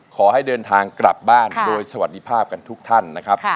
ขอให้เดินทางกลับบ้านโดยสวัสดีภาพกันทุกท่านนะครับ